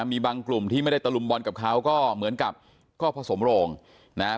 มีบางกลุ่มที่ไม่ได้ตะลุมบอลกับเขาก็เหมือนกับก็ผสมโรงนะครับ